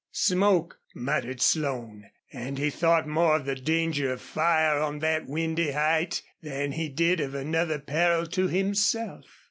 "Smoke!" muttered Slone. And he thought more of the danger of fire on that windy height than he did of another peril to himself.